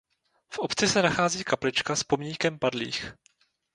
V obci se nachází kaplička s pomníkem padlých.